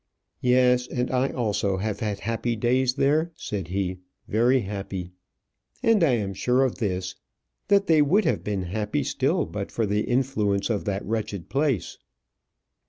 "Yes, and I also have had happy days there," said he; "very happy. And I am sure of this that they would have been happy still but for the influence of that wretched place."